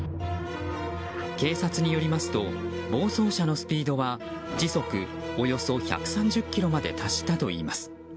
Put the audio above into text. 警察によりますと暴走車のスピードは時速およそ１３０キロまで達したといいます。